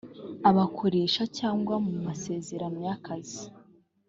abakoresha cyangwa mu masezerano y akazi